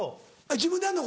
自分でやんの？